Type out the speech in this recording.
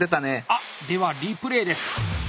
あっではリプレーです。